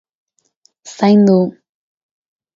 Zaindu!